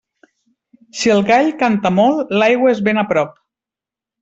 Si el gall canta molt, l'aigua és ben prop.